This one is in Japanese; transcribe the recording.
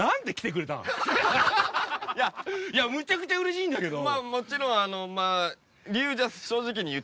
いやむちゃくちゃうれしいんだけど。